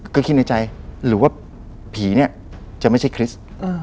ก็คิดในใจหรือว่าผีเนี่ยจะไม่ใช่คริสต์